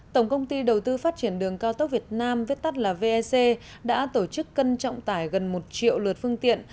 tổng công ty đầu tư phát triển đường cao tốc việt nam viết tắt là vec đã tổ chức cân trọng tải gần một triệu lượt phương tiện